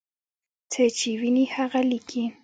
څه چې ویني هغه لیکي.